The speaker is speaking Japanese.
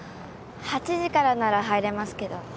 ８時からなら入れますけど。